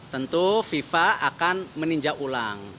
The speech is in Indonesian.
tentu fifa akan meninjau ulang